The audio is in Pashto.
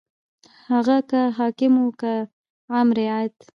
هغه که حاکمان وو که عام رعیت.